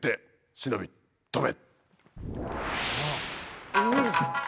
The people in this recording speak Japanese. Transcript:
忍び飛べ！